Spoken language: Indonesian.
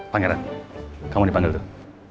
pangeran kamu dipanggil tuh